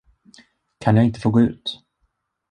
Kan jag inte få gå ut?